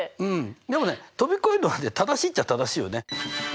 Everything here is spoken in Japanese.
でもね飛び越えるのはね正しいっちゃ正しいよね。